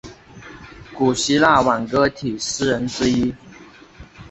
古希腊挽歌体诗人之一。